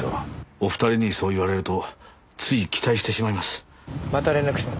お二人にそう言われるとつい期待してしまいます。